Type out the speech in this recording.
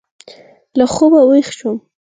له خوبه وېښ شوم.